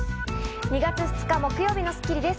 ２月２日、木曜日の『スッキリ』です。